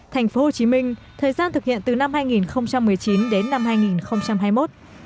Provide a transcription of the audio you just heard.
thành phố hồ chí minh thời gian thực hiện từ năm hai nghìn một mươi chín đến năm hai nghìn hai mươi một